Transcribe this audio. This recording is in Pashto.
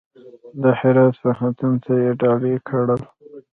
د هرات پوهنتون ته یې ډالۍ کړل.